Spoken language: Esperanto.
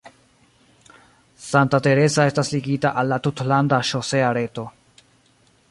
Santa Teresa estas ligita al la tutlanda ŝosea reto.